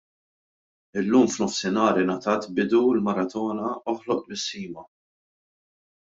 Illum f'nofsinhar ingħatat bidu l-maratona Oħloq Tbissima.